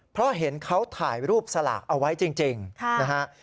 เพราะเห็นเขาถ่ายรูปสลากเอาไว้จริงนะฮะ